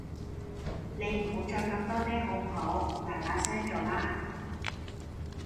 你唔好再咁多嗲好唔好，嗱嗱聲做啦